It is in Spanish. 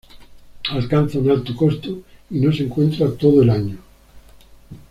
Alcanza un alto costo y no se encuentra todo el año.